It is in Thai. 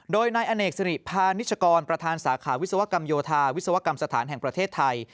โดยนายอเนกสิริพานิชกรประธานสาขาวิศวกรรมโยธาวิศวกรรมสถานแห่งประเทศไทย